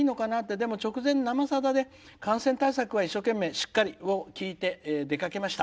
でも直前「生さだ」で感染対策は一生懸命、しっかりを聞いて出かけました。